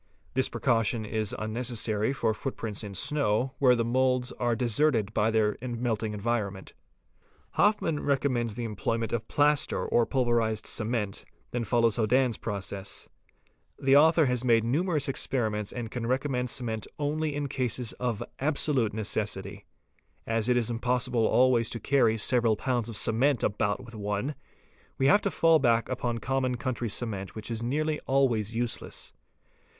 This precaution is unnecessary for footprints in snow where the 4 moulds are deserted by their melting environment. A Hofmann 8" recommends the employment of plaster or pulverized cement, and then follows Hodann's process. 'The author has made nu _ merous experiments and can recommend cement only in cases of absolute : necessity. As it is impossible always to carry several pounds of cement H about with one, we have to fall back upon common country cement | which is nearly always useless.